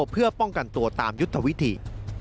เพื่อป้องกันตัวตามยุทธวิธี